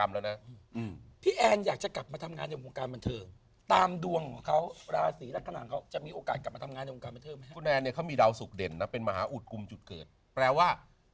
มีกิจกรรมแล้วนะ